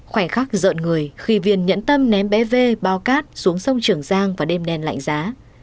khoảnh khắc giận người khi viên nhẫn tâm ném bé vê bao cát xuống sông trường giang và đêm đen lạnh giá